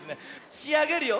しあげるよ。